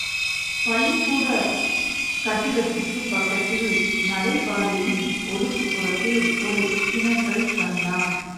பள்ளிக்கூட கட்டிடத்துக்குப் பக்கத்தில் நடைபாதையின் ஒதுக்குப்புறத்தில் ஒரு கிணற்றைக் கண்டான்.